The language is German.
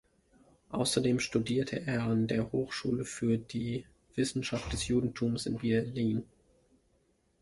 Außerdem studierte er an der Hochschule für die Wissenschaft des Judentums in Berlin.